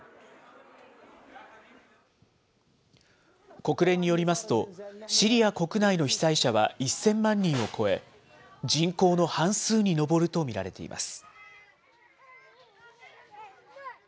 国連によりますと、シリア国内の被災者は１０００万人を超え、人口の半数に上ると見られています。